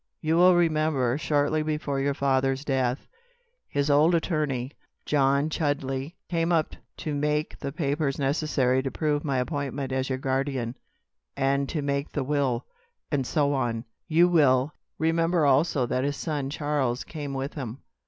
"You will remember, shortly before your father's death, his old attorney, John Chudley, came up to make the papers necessary to prove my appointment as your guardian, and to make the will, and so on. You will remember also that his son Charles came with him.